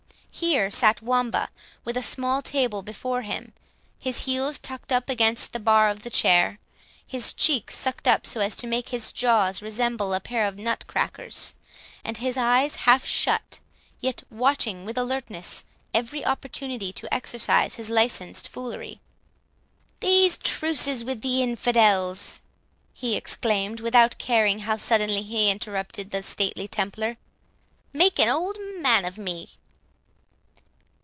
Here sat Wamba, with a small table before him, his heels tucked up against the bar of the chair, his cheeks sucked up so as to make his jaws resemble a pair of nut crackers, and his eyes half shut, yet watching with alertness every opportunity to exercise his licensed foolery. "These truces with the infidels," he exclaimed, without caring how suddenly he interrupted the stately Templar, "make an old man of me!"